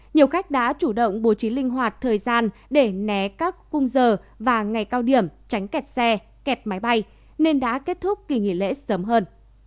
nhiều khách đã chủ động bố trí linh hoạt thời gian để né các khung giờ và ngày cao điểm tránh kẹt xe kẹt máy bay nên đã kết thúc kỳ nghỉ lễ sớm hơn